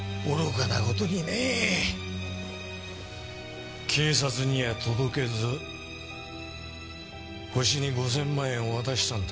愚かな事にねえ警察には届けずホシに５０００万円を渡したんだ。